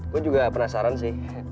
gue juga penasaran sih